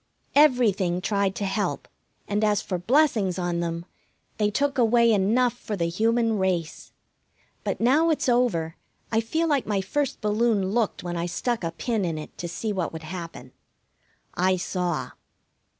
Everything tried to help, and as for blessings on them, they took away enough for the human race. But now it's over I feel like my first balloon looked when I stuck a pin in it to see what would happen. I saw.